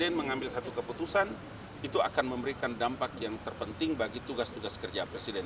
presiden mengambil satu keputusan itu akan memberikan dampak yang terpenting bagi tugas tugas kerja presiden